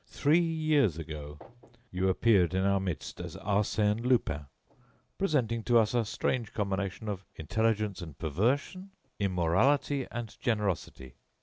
Three years ago you appeared in our midst as Arsène Lupin, presenting to us a strange combination of intelligence and perversion, immorality and generosity.